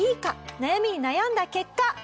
悩みに悩んだ結果。